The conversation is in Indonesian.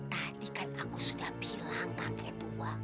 tadi kan aku sudah bilang kakituan